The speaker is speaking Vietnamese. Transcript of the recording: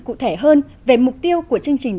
cụ thể hơn về mục tiêu của chương trình